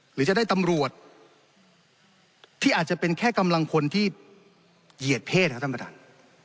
หรือจะได้ตำรวจที่อาจจะเป็นแค่กำลังพลที่เหยียดเพศครับท่านประธาน